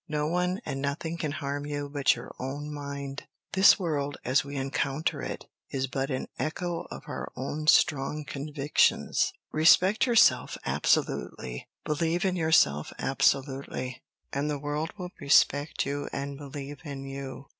No one and nothing can harm you but your own mind. The world, as we encounter it, is but an echo of our own strong convictions. Respect yourself absolutely, believe in yourself absolutely, and the world will respect you and believe in you.